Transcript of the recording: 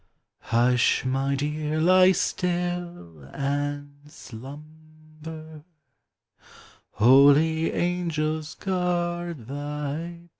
Hush ! my dear, lie still, and slumber, Holy angels guard thy bed